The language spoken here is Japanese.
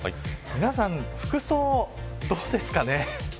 皆さん、服装どうですかね。